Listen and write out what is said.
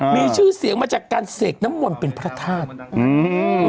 มีชื่อเสียงมาจากการเสกน้ำมนต์เป็นพระธาตุอืม